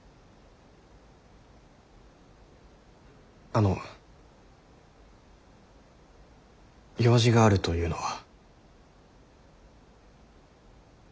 あの用事があるというのは？